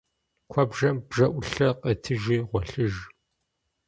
Куэбжэм бжэӏулъэ къетыжи гъуэлъыж.